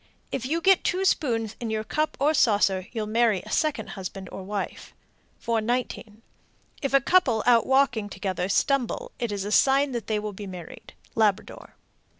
If you get two spoons in your cup or saucer, you'll marry a second husband or wife. 419. If a couple out walking together stumble, it is a sign that they will be married. _Labrador.